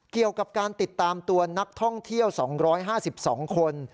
เกี่ยวกับการติดตามตัวนักท่องเที่ยว๒๕๒คน